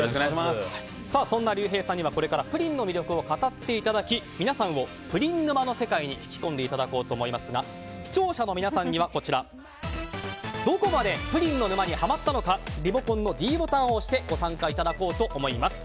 そんなりゅうへいさんにはこれからプリンの魅力を語っていただき皆さんをプリン沼の世界に引き込んでいただこうと思いますが視聴者の皆さんには、どこまでプリンの沼にハマったのかリモコンのｄボタンを押してご参加いただこうと思います。